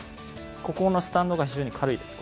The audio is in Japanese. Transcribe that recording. ここのスタンドが非常に軽いです